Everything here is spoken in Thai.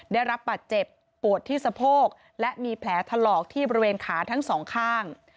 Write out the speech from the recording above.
ได้รับบาดเจ็บปวดที่สะโพกและมีแผลถลอกที่บริเวณขาทั้งสองข้าง